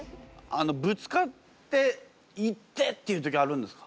ぶつかって「イテッ！」っていう時あるんですか？